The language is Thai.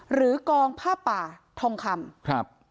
หรือกองผ้าป่าทองคำ